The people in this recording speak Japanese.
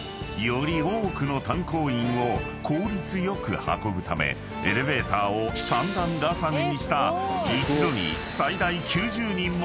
より多くの炭鉱員を効率良く運ぶためエレベーターを３段重ねにした一度に最大９０人も乗れる物だった］